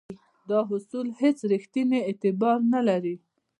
دا اصول هیڅ ریښتینی اعتبار نه لري.